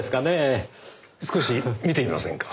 少し見てみませんか？